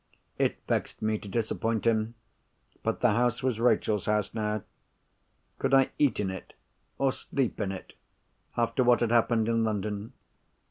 It vexed me to disappoint him. But the house was Rachel's house, now. Could I eat in it, or sleep in it, after what had happened in London?